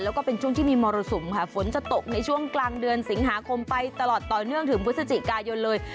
แล้วก็เป็นช่วงที่มีมรสุมค่ะฝนจะตกในช่วงกลางเดือนสิงหาคมไปตลอดต่อเนื่องถึงพฤศจิกายนเลย